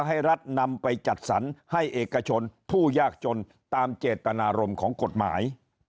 ให้รัฐนำไปจัดสรรให้เอกชนผู้ยากจนตามเจตนารมณ์ของกฎหมาย